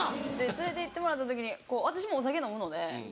連れていってもらった時に私もお酒飲むので。